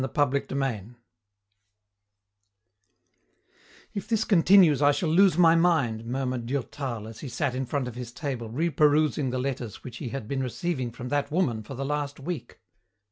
CHAPTER VII "If this continues I shall lose my mind," murmured Durtal as he sat in front of his table reperusing the letters which he had been receiving from that woman for the last week.